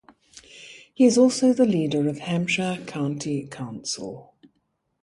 He is also the Leader of Hampshire County Council.